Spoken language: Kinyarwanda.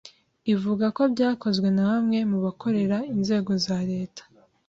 ivuga ko byakozwe na bamwe mu bakorera inzego za Leta,